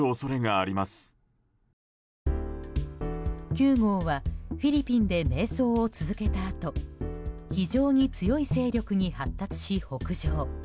９号はフィリピンで迷走を続けたあと非常に強い勢力に発達し北上。